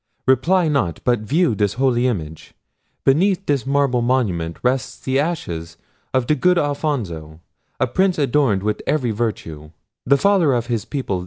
Reply not, but view this holy image! Beneath this marble monument rest the ashes of the good Alfonso; a prince adorned with every virtue: the father of his people!